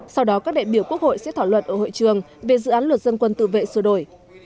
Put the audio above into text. sau đó các đại biểu quốc hội sẽ thảo luận ở hội trường về dự án luật dân quân tự vệ sửa đổi